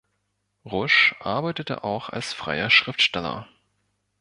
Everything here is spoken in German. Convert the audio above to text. Rusch arbeitete auch als freier Schriftsteller.